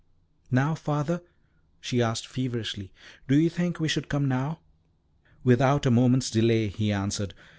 "Now, Father?" she asked feverishly. "Do you think we should come now?" "Without a moment's delay," he answered.